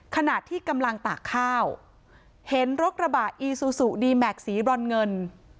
ขณะที่กำลังตากข้าวเห็นรถกระบะอีซูซูดีแม็กซีบรอนเงิน